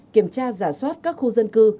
kiểm tra giả soát các khu dân cư